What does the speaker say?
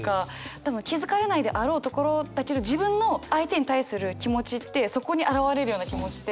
多分気付かれないであろうところだけど自分の相手に対する気持ちってそこに表れるような気もして。